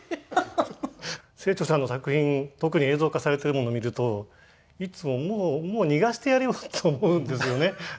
⁉清張さんの作品特に映像化されてるもの見るといつも「もう逃してやれよ」と思うんですよね。